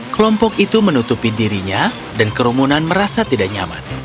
kelompok itu menutupi dirinya dan kerumunan merasa tiba tiba